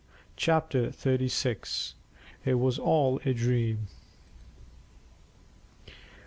CHAPTER THIRTY SIX. IT WAS ALL A DREAM.